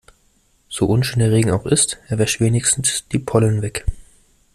So unschön der Regen auch ist, er wäscht wenigstens die Pollen weg.